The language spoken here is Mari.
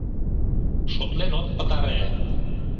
Шотлен от пытаре.